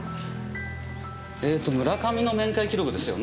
えーと村上の面会記録ですよね？